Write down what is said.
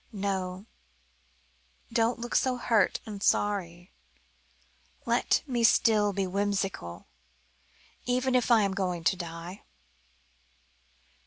"No, don't look so hurt and sorry. Let me still be whimsical, even if I am going to die.